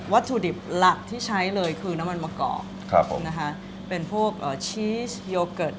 วัตถุดิบหลักที่ใช้เลยคือน้ำมันมะกอก